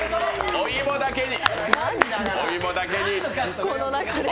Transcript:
お芋だけに！